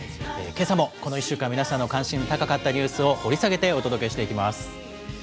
けさもこの１週間、皆さんの関心の高かったニュースを掘り下げてお届けしていきます。